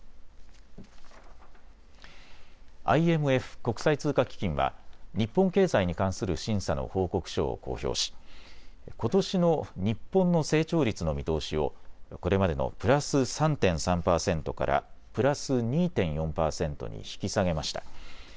ＩＭＦ・国際通貨基金は、日本経済に関する審査の報告書を公表しことしの日本の成長率の見通しをこれまでのプラス３．３％からプラス２．４％に引き下げました。